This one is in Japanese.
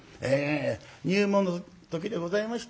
入門の時でございました。